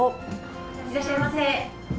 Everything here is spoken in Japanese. いらっしゃいませ。